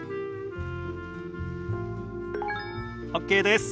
ＯＫです。